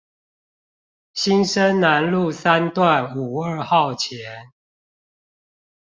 新生南路三段五二號前